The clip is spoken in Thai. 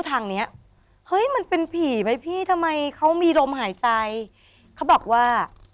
ทางเนี้ยเฮ้ยมันเป็นผีไหมพี่ทำไมเขามีลมหายใจเขาบอกว่า